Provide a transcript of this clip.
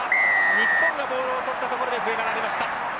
日本がボールを捕ったところで笛が鳴りました。